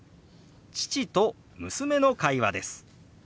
父と娘の会話です。